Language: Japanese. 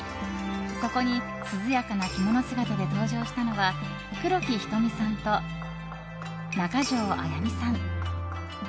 そこに涼やかな着物姿で登場したのは黒木瞳さんと中条あやみさん。